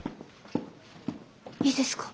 いいですか？